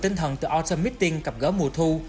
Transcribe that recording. tinh thần từ autumn meeting cập gỡ mùa thu